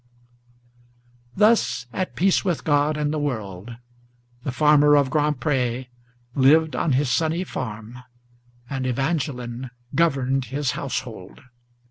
Thus, at peace with God and the world, the farmer of Grand Pré Lived on his sunny farm, and Evangeline governed his household.